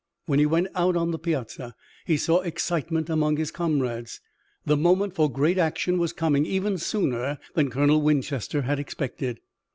When he went out on the piazza he saw excitement among his comrades. The moment for great action was coming even sooner than Colonel Winchester had expected.